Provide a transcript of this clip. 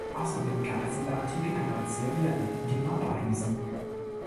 Außerdem gab es in der Antike bereits Servietten, die "Mappa" hießen.